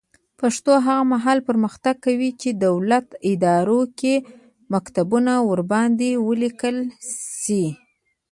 پښتو هغه مهال پرمختګ کوي چې دولتي ادارو کې مکتوبونه ورباندې ولیکل شي.